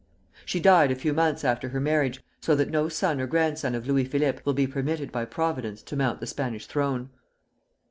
She died a few months after her marriage, so that no son or grandson of Louis Philippe will be permitted by Providence to mount the Spanish throne.